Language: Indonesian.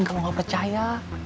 kalau gak percaya